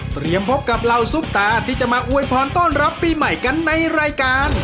พบกับเหล่าซุปตาที่จะมาอวยพรต้อนรับปีใหม่กันในรายการ